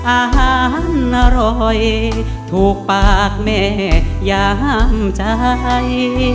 อาหารอร่อยถูกปากแม่ยามใจ